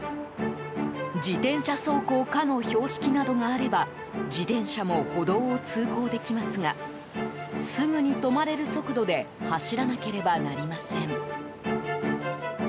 自転車走行可の標識などがあれば自転車も歩道を通行できますがすぐに止まれる速度で走らなければなりません。